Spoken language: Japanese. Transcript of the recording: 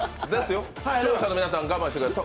視聴者の皆さんは我慢してください。